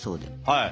はい。